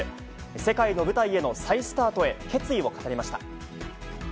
世界の舞台への再スタートへ、決意を語りました。